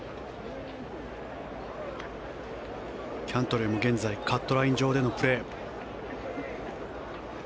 キャントレーも現在カットライン上でのプレー。